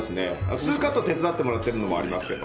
数カット手伝ってもらってるのもありますけど。